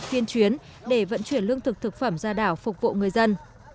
tiên chuyến để vận chuyển lương thực thực phẩm ra đảo phục vụ người dân